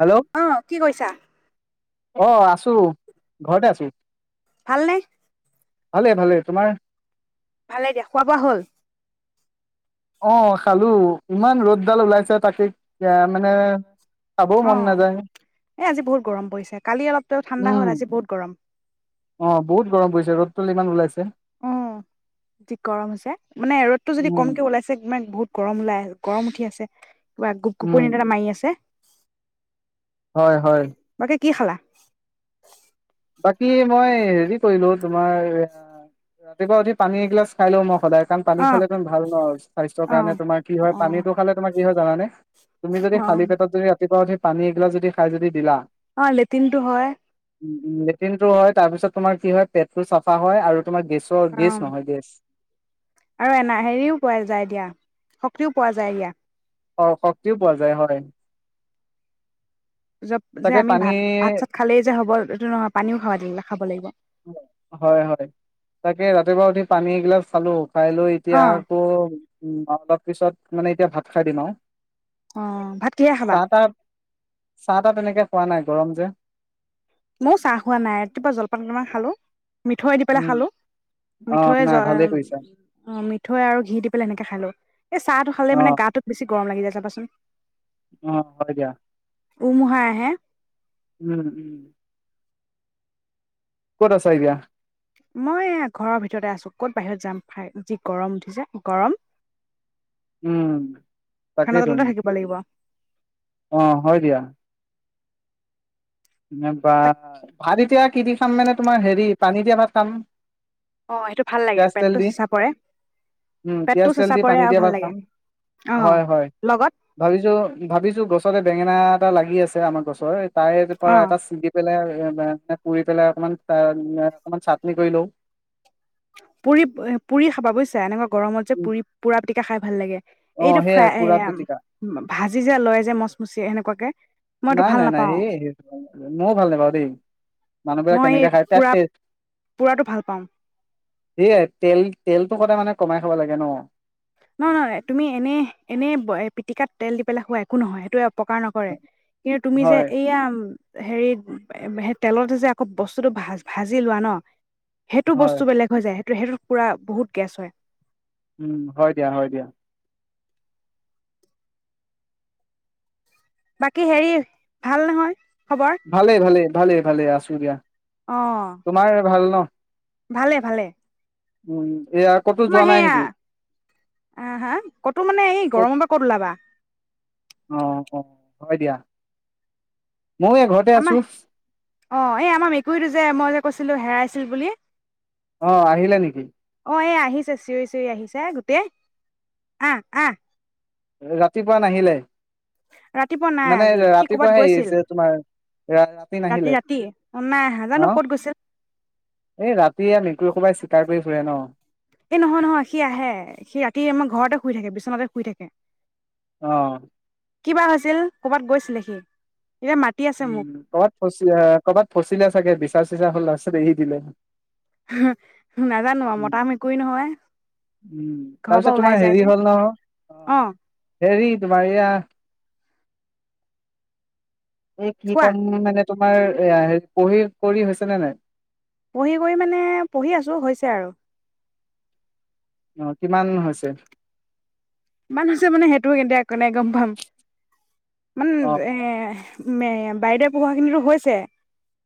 Hello অ, কি কৰিছা? অ, আছো, ঘৰতে আছো। ভালনে। ভালে ভালে তোমাৰ। ভালে দিয়া খোৱা বোৱা হ'ল। অ, খালোঁ, ইমান ৰ'দডাল ওলাইছে তাকে মানে খাবও অ, মন নাযায় এ আজি বহুত গৰম পৰিছে কালি অলপতো ঠাণ্ডা উম হ'ল আজি বহুত গৰম। অ, বহুত গৰম পৰিছে ৰ'দটো যিমান ওলাইছ অ, যি গৰম হৈছে, মানে ৰ'দটো যদি উম কমকে ওলাইছে মে বহুত গৰম ওলাই আহ গৰম উঠি আছে। গোপ উম গোপনী এটা মাৰি আছে। হয় হয়। বাকী কি খালা? বাকী মই হেৰি কৰিলো তোমাৰ, ৰাতিপুৱা উঠি পানী এগিলাচ খাই লওঁ মই সদায়। কাৰণ পানী অ' খালে তুম ভাল ন, স্বাস্থ্যৰ অ' কাৰণে তোমাৰ কি হয় অ' পানীটো খালে তোমাৰ কি হয় জানেনে? তুমি যদি অ' খালী পেটত যদি ৰাতিপুৱা উঠি পানী এগিলাচ যদি খাই যদি দিলা অ, লেট্ৰিনটো হয়। উম, লেট্ৰিন টো হয় তাৰ পিছত তোমাৰ কি হয় পেটতো চাফা হয় আৰু তোমাৰ গেছৰ গেছ অ' নহয় গেছ। আৰু এনা হেৰিও পোৱা যায় দিয়া, শক্তিও পোৱা যায় দিয়া। অ, শক্তিও পোৱা যায় হয়। জব যে তাকে আমি পানী ভাত, ভাত চাত খালেই যে হ'ব এইটো নহয় পানীও খাবা দু খাব লাগিব। হয় হয়, তাকে ৰাতিপুৱা উঠি পানী এগিলাচ খালোঁ। খাই লৈ এতিয়া অ' আকৌ, উ অলপ পিছত, মানে এতিয়া ভাত খাই দিম আৰু। অ' ভাত কিহে খাবা? চাহ তাহ, চাহ তাহ তেনেকে খোৱা নাই গৰম যে। মইও চাহ খোৱা নাই, ৰাতিপুৱা জলপান কেইটামান খালোঁ। মিঠৈ দি পেলাই উম খালোঁ, অ মিঠৈ জ নাই ভালেই কৰিছা মিঠৈ আৰু ঘি দি পেলাই সেনেকে খালোঁ। এ চাহ হালে অ মানে গাটোত বেছ গৰম লাগি যায় যাবাচোন অ হয় দা উমহা হে উম উম কতছ আহ দয়াা মই ঘৰৰ ভিতৰতে আছো ক'ত বাহিৰত যামাই যি গৰম উঠিছে গৰম উম ফেনৰ তাকেইত তলতে থাকিব লাগিব অ হয় দিয়া বা তাক ভাত এতিয়া কি দি খাম মানে তোমাৰ হেৰি পানী দিয়া ভাত খাম অ সেইটো ভাল লাগে পিয়াজ তেল পেটটো দি চেঁচা পৰে উম পেটটো পিয়াজ তেল চেঁচা দি পৰে পানী আৰু দা ভাল বা লাগে খাম অ হয় হয় লগত ভাবিছো ভাবিছো গছত বেঙেনা এটা লাগি আছে আমাৰ গছৰ তাৰে অ এটা ছিগি পেলাই পুৰি পেলাই অকমান অকমান চাটনি কৰি লও পুৰি পুৰি খাবা বুজিছা এনেকুৱা গৰমত যে উম, পুৰি পুৰা এ খাই ভাল লাগে অ এইটো সেইয়াই ফ্ৰাই পুৰা পিটিকা এ ভাজি যো লয় যে মচমচি সেনেকুৱাকে মই এইটো নাই ভাল নাই নাই নাপাওঁ স ময়ো ভাল নাই বাৰু দেই মানুহবাক মই এই কেনেকে খাই তাত পুৰা টষ্ট পুৰাটো ভাল পাওঁ সে তেল তেলটো সদায় মানে কমাই খাব লাগে ন নহ নহয় তুমি এনে এনে পিটিকাত তেল দি পেলাই খোৱা একো নহয় সেইটো উপকাৰ নকৰে কিন্তু তুমি যে হয় এইয়া হেৰি সেই তেলতে যে আকৌ বস্তুটো ভ ভাজি লোৱা ন সেইটো হয় বস্তু বেলেগ হৈ যায় ত সেইটোত পুৰা বহুত গেছ হয় উম হয় দিয়া হয় দিয়া বাকী হেৰি ভাল নহয় খবৰ ভালে ভালে ভালোল ভালে আছোগিয়া অ ভালে ভালে উম উ তোমাৰ সেয়া আহ হা ক'তো মানে এই গৰমৰ পৰা ক'ত ওলাবা অ অ হয় দিয়া ময়ো এই ঘৰতে আছো আমাৰ অ এই আমাৰ মেকুৰীটো যে মই যে কৈছিলো হেৰাই চীল বুলি অ'আহিলে‌ নেকি? অ'এই আহিছে চিঞৰি চিঞৰি আহিছে। গোটেই আহ আহ। হৈ ৰাতিপুৱা নাহিলে। ৰাতিপুৱা নাই মানে, আজি সি কৰ'বাত ৰাতিপুৱাহে গৈছিল এৰিছে তোমাৰ। ৰাতি নাহিলে ৰাতি অ নাই আহা ন, জানো ক'ত গৈছিল এই ৰাতি ইয়াত মেকুৰী সোমাইছে। [unintelligible] ফুৰে ন। এই নহয়-নহয় সি আহে, সি ৰাতি আমাৰ ঘৰতে শুই থাকে। বিচনাতে শুই থাকে। অ কিবা আছিল। কৰ'বাত গৈছিলে সি? এতিয়া মাতি আছে মোক উম, ক'ৰবাত ফচিয়ে, ক'ৰবাত ফচিলে চাগে বিচাৰ। পিছদিনা খন লাষ্টত এৰি দিলে। নাজানো আৰু উম, মতা মেকুৰী নহয় উম ঘৰৰ তাৰ পৰা পিছত তোমাৰ ওলাই যায় হেৰি যে হ'ল ন। অ, 'হেৰি তোমাৰ এইয়া। এই কি কোৱা কম উম মানে। তোমাৰ এইয়া, পঢ়ি কৰি হৈছেনে নাই। পঢ়ি কৰি মানে পঢ়ি আছোঁ, হৈছে আৰু। অ' কিমান হৈছে? ইমান হৈছে, মানে হেতু কিতিয়া কোনে গম পাম। মান অ এ মে--ম, বাইদেউ পঢ়োৱা খিনিতো হৈছে।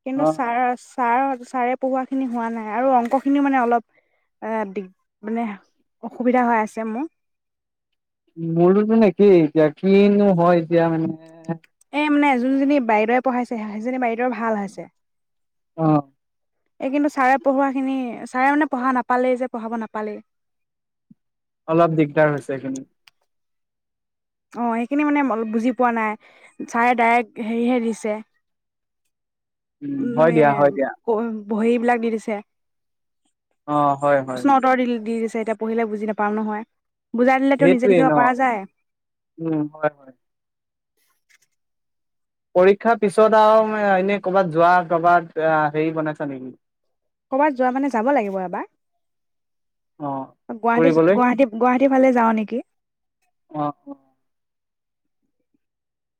কিন্তু অ চাৰচ। ছাৰহঁত ছাৰে পঢ়োৱাখিনি হোৱা নাই, আৰু অংকখিনিও মানে অলপ অ' দিগ মানে অসুবিধা হৈ আছে মোৰ। মোৰোনো‌ চোন একেই, এতিয়া কিনো হয়, এতিয়া মানে তাৰ মানে জোনজনী বাইদেউৱে পঢ়াইছে, হেইজনী বাইদেউ ভাল আছে। অ এই কিন্তু ছাৰে পঢ়োৱা খিনি ছাৰে মানে পঢ়া নাপালেই যে পঢ়াব নাপালেই। অলপ দিগদাৰ হৈছে এইখিনি অ, এইখিনি মানে অলপ বুজি পোৱা নাই, ছাৰে ডাইৰেক্ট হেৰিহে দিছে। উম, হয় দিয়া হয় নোৱে--ম দিয়া কৰিম বহী বিলাক দি দিছে। অ' হয় হয়। যে, এতিয়া পঢ়িলে বুজি নাপাওঁ নহয়। বুজাই দিলে টো নিজে সেইটোৱে লিখিব ন পৰা যায়। উম, হয় হয়। পৰীক্ষাৰ পিছত আৰু মে'এনে কৰ'বাত যোৱা ক'ৰবাত এইয়া হে'ৰি বনাইছা নেকি? ক'ৰবাত যোৱা মানে যাব লাগিব এবাৰ। অ' গুৱাহাটী, ফুৰিবলৈ গুৱাহাটী, গুৱাহাটীৰ ফালে যাওঁ নেকি? অ' অ'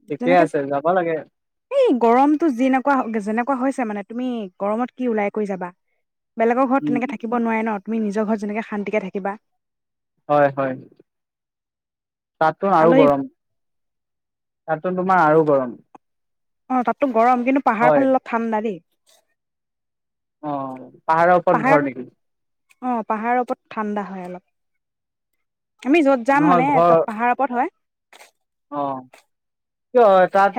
ঠিকে যেনেকে, আছে যাব লাগে এই গৰমটো যিনেকুৱা যেনেকুৱা হৈছে। তাৰ মানে তুমি গৰমত কি ওলাই কৰি যাবা। বেলেগৰ ঘৰত উম। তেনেকে থাকিব নোৱাৰে ন। তুমি নিজৰ ঘৰত যেনেকে শান্তিকে থাকিবা হয় হয় তাকোন আৰু আলহী গৰম তাতো তোমাৰ আৰু গৰম অ তাতো গৰম কিন্তু পাহাৰ হয়। ফালে অল ঠাণ্া দেই অঁ পাহাৰৰ ওপৰত পাহাৰত ঘৰ লাগিল অ পাহাৰৰ ওপৰত ঠাণ্ডা হয় অলপ আমি যত যাম নহয় মানে ঘৰ তাত পাহাৰ ওপৰত হয় অ ক তাত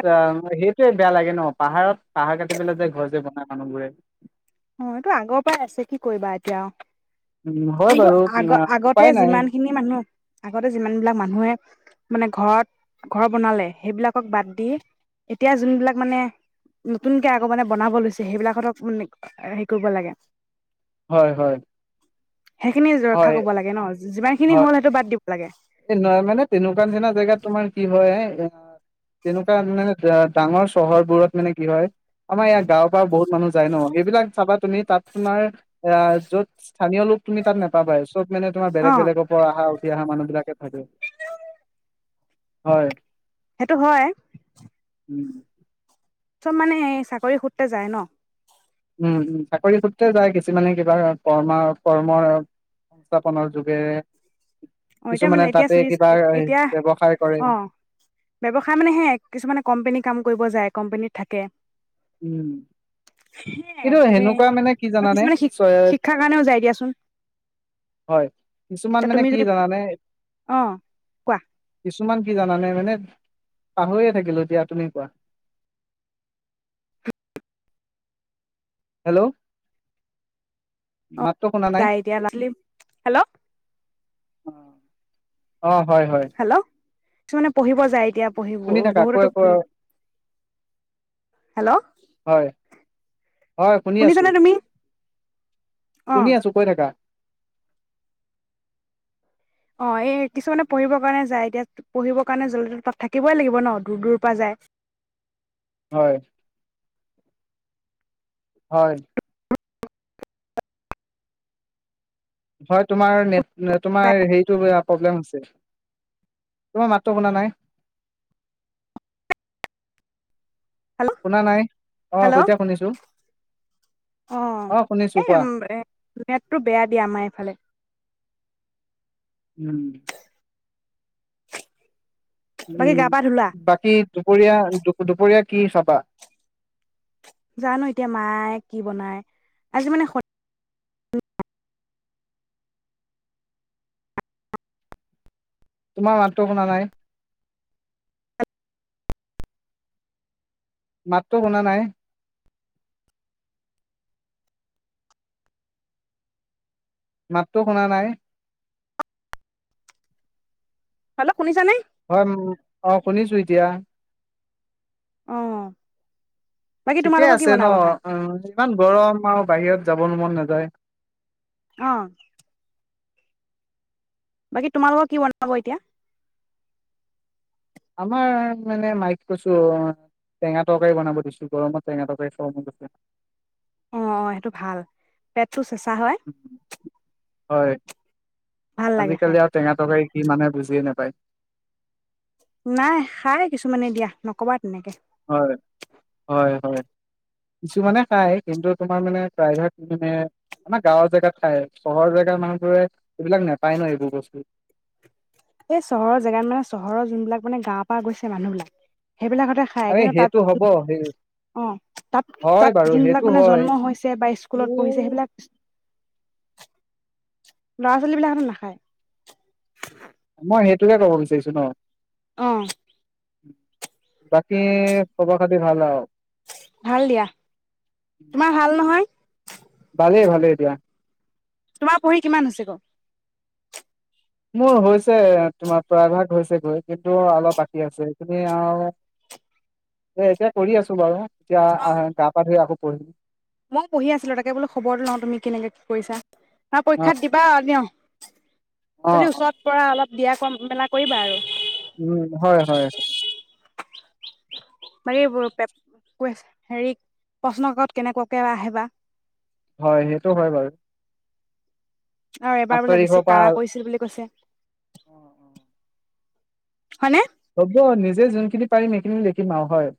সেই েই বেয়া লাগে ন পাহাৰত পাহাৰ কাটি পেলাই যে ঘৰ যে বনাই মানুহবোৰে অ এইটো আগৰ পৰাই আছে কি কৰিবা এতিয়া উম, হয় কিন্তু বাৰু উম, আগ আহ, আগতে উপায় নাই যিমানখিনি মানুহ আগতে যিমান বিলাক মানুহে মানে ঘৰত ঘৰ বনালে সেইবিলাকক বাদ দি এতিয়া যোনবিলাক মানে নতুনকে আগ মানে বনাব লৈছে সেইবিলাকতক মান হেৰি কৰিব লাগে হয় হয় সেইখিনি ৰক্ষা হয়, কৰিব লাগে ন যিমান সিনি হ'লেইটো বাদ দিব লাগে এ নহয় মানে তেনেকুৱা নিচিনা জেগাত তোমাৰ কি হয় এ এ তেনেকুৱা মানে ডাঙৰ চহৰবোৰত মানে কি হয় আমাৰ ইয়াৰ গাঁওৰ পৰা বহুত মানুহ যায় ন এইবিলাক চাবা তুমি তাত তোমাৰ এ য'ত স্থীয় লোকুমি তাত নাপাবাই চব মানে তমাৰ অ বেলেগ বেগৰ পৰা অ আহা উঠি অা মানুহ ভালে হয় সেইটো হয় উম চব মানে চাকৰি সূত্ৰে যায় ন উম উ চাকৰি সূত্ৰে যায় কিছুমানে কিবা কৰ্মা কৰ্ম সংস্থাপনৰ যোগে অ এতিয়া মানে এতিয়া এতিয়া ব্যৱসায় কৰে অ ব্যৱসায় মানে হে কিছুমানে কোম্পেনী কাম কৰিব যায় কোম্পানীত থাকে উম সেয়াই কিন্তু চবে সেনেকুৱা মানে কি আৰু জানানে কিছুমানে শি চয় শিক্ষাৰ কাৰণেও যায় দিয়াচোন হয় কিছুমান এতিয়া মানে তুমি কি যদি জানা অ কোৱা কিছুমান কি জানানে মানে পাহৰিয়ে থাকিলো এতিয়া তুমি কোৱা হেল্ল' মাতটো শুনা নাই দিয়া হেল্ল' অহ অ হয় হয় হেল্ল' কিছুমানে পঢ়িব যায় এতিয়া পঢ়িব শুনি থাকা বহুতেতো কৈ কৈ পঢ় হেল্ল' হয়, হয় শুনি আছো শুনিছানে তুমি অ শুনি আছো কৈ থাকা অ এই কিছুমানে পঢ়িবৰ কাৰণে যায় এতিয়া পঢ়িবৰ কাৰণে জ্বলে তাত থাকিবই লাগিব ন দূৰ দূৰৰ পৰা যায় হয় হয় বত তোমাৰ নেট তোমাৰ হেৰিটো প্ৰব্লেম হৈছে তোমাৰ মাততো শুনা নাই হেল্ল' শুনা নাই অ হেল্ল' সতিয়া শুনিছো অ শুনিছো এ কোৱা নেটটো বেয়া দিয়া আমাৰ এইফালে উম বাকী উম গা পা ধুলা বাকী দুপৰীয়া দুপৰীয়া কি চপা জানো এতিয়া মায়ে কি বনাই আজি মানে তোমাৰ মাতটো শুনা নাই মাতটো শুনা নাই মাতটো শুনা নাই হেল্ল শুনিছা নে হয় অ শুনিছো এতিয়া অহ ঠিকে আছে ন অ ইমান গৰম আৰু বাহিৰত যাবলৈ মন নাযায় অ বাকী তোমালোকক কি বনাব এতিয়া আমাৰ মানে মাইকে কৈছো টেঙা তৰকাৰী বনাব দিছো গৰমত টেঙা তৰকাৰী খাব মন গৈছে অ অ সেইটো ভাল পেট চোচ হয় ভাল লাগে খাই আজিকালি আৰু টেঙা তৰকাৰী কি মানে বুজিয়ে নাপায়। নাই খাই কিছুমানে দিয়া নকবা তেনেকে হয় হয় হয় কিছুমানে খায় কিন্তু তোমাৰ মানে প্ৰায় ভাগ মানে আমাৰ গাঁৱৰ জেগাত খাই চহৰৰ জেগা মানুহবোৰে এইবিলাক নাপায় ন এইবোৰ বস্তু এই চহৰৰ জেগাত মানে চহৰৰ যোনবিলাক মানে গাৱৰ পৰা গৈছে মানুহ বিলাক সেইবিলাকহতে খায় আৰে কিন্তু সেইটো হ'ব সেই তাত অ তাত হয় বাৰু তাত সেইটো যোনবিলাক মানে হয় জন্ম হৈছে বা স্কুলত কিন্তু পঢ়িছে সেইবিলাক ল'ৰা ছোৱালী বিলাকনো নাখায়। সেইটোহে ক'ব বিচাৰিছো ন অহ বাকী খবৰ খাতি ভাল আৰু ভাল দিয়া তোমাৰ ভাল নহয় ভালেই ভালেই দিয়া তোমাৰ পঢ়ি কিমান হৈছে গ মোৰ হৈছে তোমাৰ প্ৰায়ভাগ হৈছে গৈ কিন্তু অলপ বাকী আছে সিখিনি আৰু এ এতিয়া কৰি আছো বাৰু এতিয়া আহ গা পা ধুই আকৌ পঢ়ি মই পঢ়ি আছিলো তাকে বোলো খবৰটো লওঁ তুমি কেনেকে কি কৰিছা ন অ পৰীক্ষাত দিবা ন [unintelligible] অ অ যদি অ ওচৰত পোৱা অলপ বিয়া কম মেলা কৰিবা আৰু উম হয় হয় হয় মানে এইবোৰ পেপ কুয়ে হেৰি প্ৰশ্ন কাকত কেনেকুৱাকে আহে বা হয় সেইটো হয় বাৰু আৰু আঠ এবাৰ বোলে বেছি ক়াৰা কৰিছিল বুলি কৈছে। অহ অহ হয়নেে হ'ব নিজে যোনখিনি পাৰিম সেইখিনি লিখিম আৰু হয়